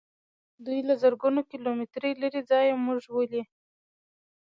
دوی له زرګونو کیلو مترو لیرې ځایه موږ ولي.